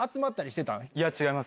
いや、違います。